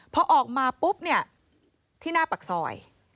พอออกมาปุ๊บเนี่ยที่หน้าปากซอย